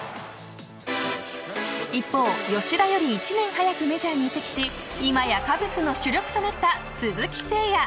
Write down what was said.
一方、吉田より１年早くメジャーに移籍し今やカブスの主力となった鈴木誠也。